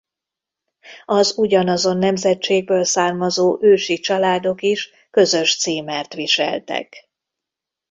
Az ugyanazon nemzetségből származó ősi családok is közös címert viseltek.